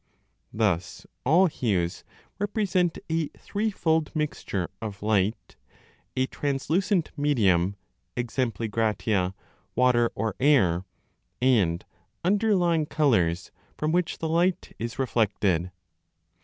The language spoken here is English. Thus all hues represent a threefold mixture of light, a trans 794 a lucent medium (e.g. water or air), and underlying colours from which the light is reflected.